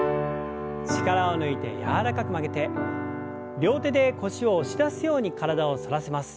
力を抜いて柔らかく曲げて両手で腰を押し出すように体を反らせます。